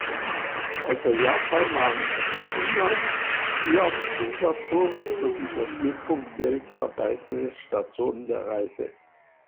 Außer Japan waren China, Siam, Singapur sowie das Mekongdelta weitere Stationen der Reise.